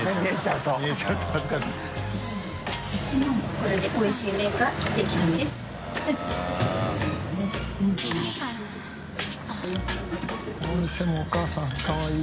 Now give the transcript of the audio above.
この店のお母さんかわいい。